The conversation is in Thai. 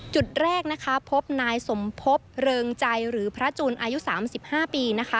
จุดแรกพบนายสมพบเริงใจหรือพระจูนอายุ๓๕ปี